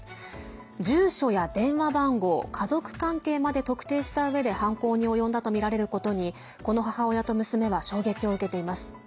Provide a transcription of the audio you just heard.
住所や電話番号、家族関係まで特定したうえで犯行に及んだとみられることにこの母親と娘は衝撃を受けています。